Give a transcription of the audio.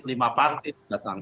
lima partai datang